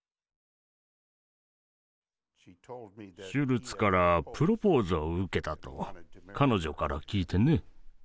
シュルツからプロポーズを受けたと彼女から聞いてね。